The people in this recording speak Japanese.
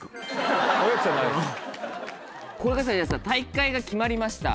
これが「大会が決まりました」。